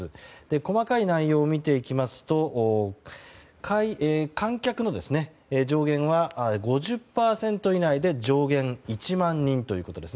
細かい内容を見ていきますと観客の上限は５０％以内で上限１万人ということです。